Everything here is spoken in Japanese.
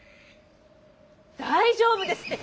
大丈夫ですって！